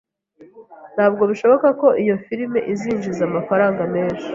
Ntabwo bishoboka ko iyo firime izinjiza amafaranga menshi.